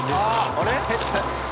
あれ？